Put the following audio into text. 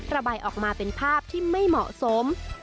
ระบายออกมาเป็นภาพที่ไม่เหมาะสม